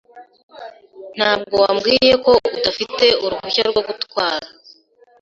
Ntabwo wambwiye ko udafite uruhushya rwo gutwara.